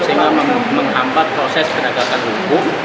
sehingga menghambat proses penegakan hukum